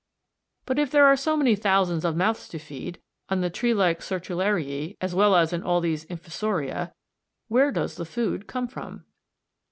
But if there are so many thousands of mouths to feed, on the tree like Sertulariæ as well as in all these Infusoria, where does the food come from?